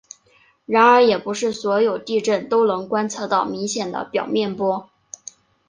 然而也不是所有地震都能观测到明显的表面波。